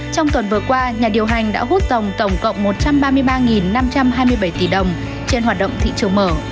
trong tuần vừa qua nhà điều hành đã hút dòng tổng cộng một trăm ba mươi ba năm trăm hai mươi bảy tỷ đồng trên hoạt động thị trường mở